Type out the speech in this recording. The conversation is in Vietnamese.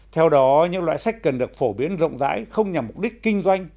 theo đó những loại sách cần được phổ biến rộng rãi không nhằm mục đích kinh doanh